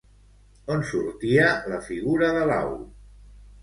On sortia la figura de l'au?